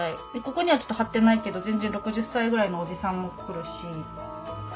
ここにはちょっと貼ってないけど全然６０歳ぐらいのおじさんも来るし。